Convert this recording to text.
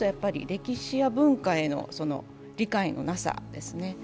歴史や文化への理解のなさですね。